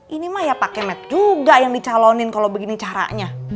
ini maya pakai med juga yang dicalonin kalau begini caranya